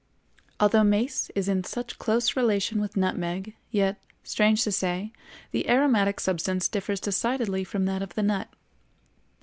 Although mace is in such close relation with nutmeg, yet, strange to say, the aromatic substance differs decidedly from that of the nut.